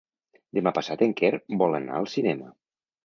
Demà passat en Quer vol anar al cinema.